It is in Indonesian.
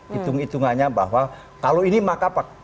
hitung hitungannya bahwa kalau ini maka pak